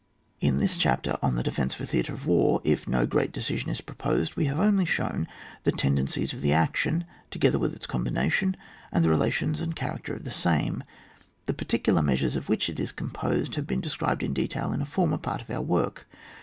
In this chapter on the defence of a theatre of war, if no great decision is proposed, we have only shown the ten dencies of the action, together with its combination, and the relations and cha racter of the same ; the particular mea sures of which it is composed have been described in detail in a former part of our work.